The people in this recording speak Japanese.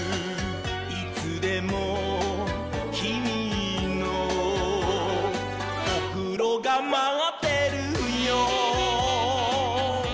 「いつでもきみのおふろがまってるよ」